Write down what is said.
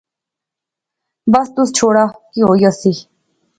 بس تس چھوڑا، کی ہوئی رہسی